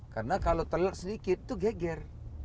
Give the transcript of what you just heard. karena kalau telur sedikit tuh geger